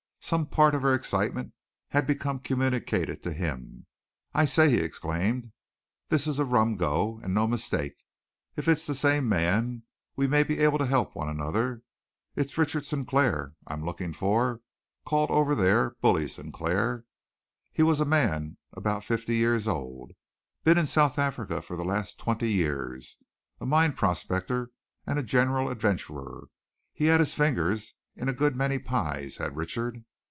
Some part of her excitement had become communicated to him. "I say," he exclaimed, "this is a rum go, and no mistake! If it's the same man, we may be able to help one another. It's Richard Sinclair I am looking for, called over there Bully Sinclair. He was a man about fifty years old, been in South Africa for the last twenty years, a mine prospector and general adventurer. He'd had his fingers in a good many pies, had Richard."